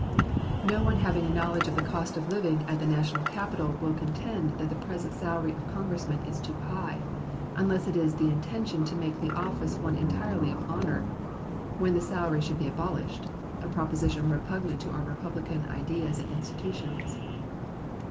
No one having a knowledge of the cost of living at the national capital will contend that the present salary of Congressmen is too high, unless it is the intention to make the office one entirely of honor, when the salary should be abolished a proposition repugnant to our republican ideas and institutions.